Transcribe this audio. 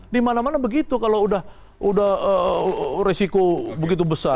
di mana mana begitu kalau udah resiko begitu besar